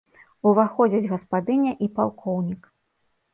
Уваходзяць гаспадыня і палкоўнік.